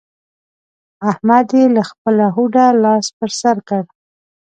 احمد يې له خپله هوډه لاس پر سر کړ.